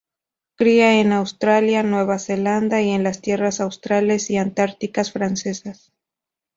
Cría en Australia, Nueva Zelanda y en las Tierras Australes y Antárticas Francesas.